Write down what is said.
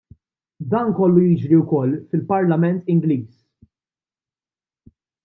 Dan kollu jiġri wkoll fil-Parlament Ingliż.